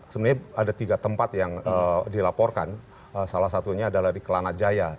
sebenarnya ada tiga tempat yang dilaporkan salah satunya adalah di kelana jaya